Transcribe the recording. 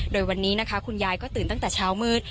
โดยวันนี้นะคะคุณยายก็ตื่นตั้งแต่เช้ามืด